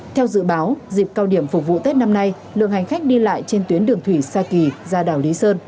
theo dự báo dịp cao điểm phục vụ tết năm nay lượng hành khách đi lại trên tuyến đường thủy sa kỳ ra đảo lý sơn